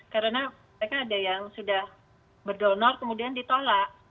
karena mereka ada yang sudah berdonor kemudian ditolak